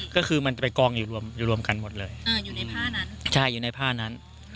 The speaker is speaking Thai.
ก็คือมันจะไปกองอยู่รวมอยู่รวมกันหมดเลยอยู่ในผ้านั้นใช่อยู่ในผ้านั้น